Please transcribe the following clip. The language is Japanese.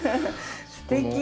すてき。